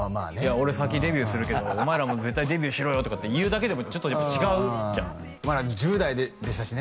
俺先デビューするけどお前らも絶対デビューしろよとかって言うだけでもちょっとやっぱ違うじゃんまだ１０代でしたしね